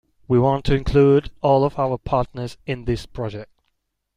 We want to include all of our partners in this project.